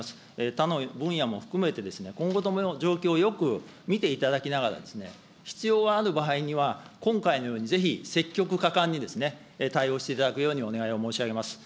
他の分野も含めて、今後とも状況をよく見ていただきながら、必要がある場合には、今回のようにぜひ、積極果敢に対応していただくようにお願いを申し上げます。